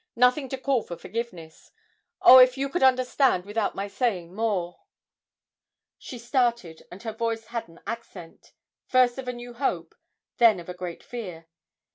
nothing to call for forgiveness ... oh, if you could understand without my saying more!' She started, and her voice had an accent, first of a new hope, then of a great fear.